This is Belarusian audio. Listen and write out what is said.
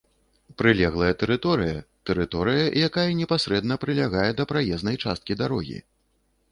прылеглая тэрыторыя — тэрыторыя, якая непасрэдна прылягае да праезнай часткі дарогі